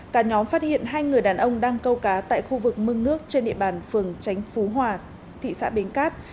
cả nhóm phát hiện hai người đàn ông đang câu cá tại khu vực mưng nước trên địa bàn phường tránh phú hòa thị xã bến cát